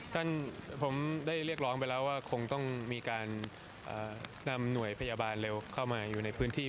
ท่านผมได้เรียกร้องไปแล้วว่าคงต้องมีการนำหน่วยพยาบาลเร็วเข้ามาอยู่ในพื้นที่